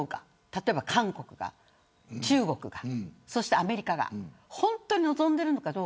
例えば、韓国とか中国とかアメリカが本当に望んでいるのか